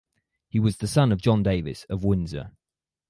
He was the son of John Davis of Windsor.